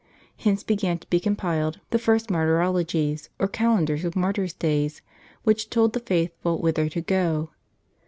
Hence began to be compiled the first martyrologies, or calendars of martyrs' days, which told the faithful whither to go.